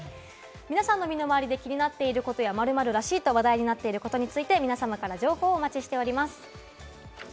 皆さんの身の回りで気になっていることや「○○らしい」と話題になっていることについて皆さまから情報をお待ちしております。